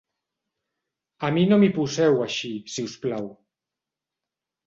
A mi no m'hi poseu així, si us plau.